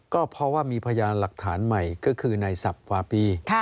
ก็เพราะว่ามีพยานหลักฐานใหม่ก็คือในสับวาปี